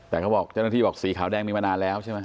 แต่เขาบอกเจ้าหน้าที่บอกสีขาวแดงมีมานานแล้วใช่ไหม